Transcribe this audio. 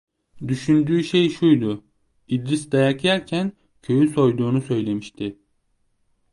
Düşündüğü şey şuydu: İdris dayak yerken, köyü soyduğunu söylemişti.